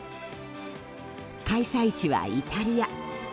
開催地はイタリア。